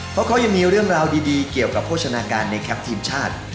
เพราะเขายังมีเรื่องราวดีเกี่ยวกับโภชนาการในแคมป์ทีมชาติ